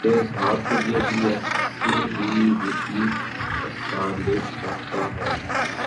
یہ اظہار کے لیے بھی ایسے ہی لطیف اسالیب چاہتا ہے۔